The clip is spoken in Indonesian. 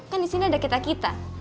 kan di sini ada kita kita